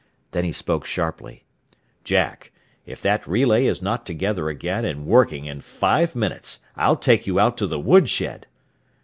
Then he spoke sharply. "Jack, if that relay is not together again, and working, in five minutes, I'll take you out to the woodshed!"